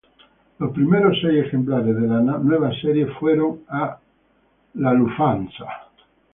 Los primeros seis ejemplares de la nueva serie fueron a American Airways.